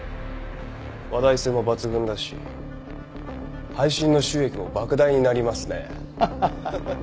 話題性も抜群だし配信の収益も莫大になりますね。